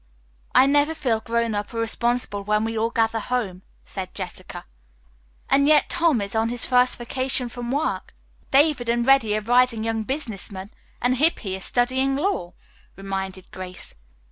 "I never feel grown up or responsible when we all gather home," said Jessica. "And yet Tom is on his first vacation from work, David and Reddy are rising young business men, and Hippy is studying law," reminded Grace.